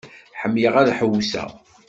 Ḥemmleɣ ad ḥewseɣ.